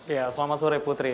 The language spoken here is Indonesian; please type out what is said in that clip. ya selamat sore putri